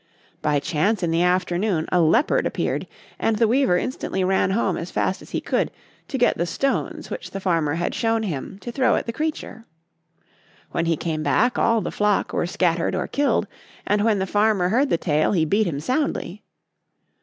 By chance in the afternoon a leopard appeared, and the weaver instantly ran home as fast as he could to get the stones which the farmer had shown him, to throw at the creature. When he came back all the flock were scattered or killed, and when the farmer heard the tale he beat him soundly.